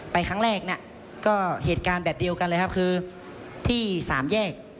ไปครั้งแรกก็เหตุการณ์แบบเดียวกันเลยครับ